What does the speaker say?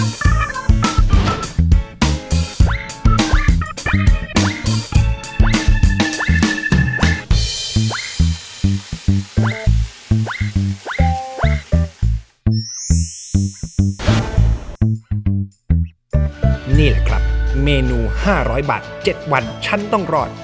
นี่แหละครับเมนู๕๐๐บาท๗วันฉันต้องรอด